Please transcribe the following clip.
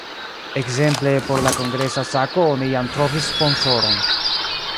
Ekzemple por la kongresa sako oni jam trovis sponsoron.